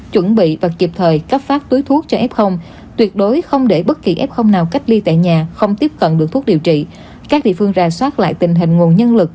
cũng như tại các đội cảnh sát giao thông quận huyện thành phố thủ đức